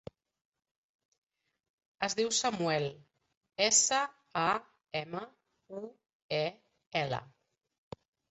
Es diu Samuel: essa, a, ema, u, e, ela.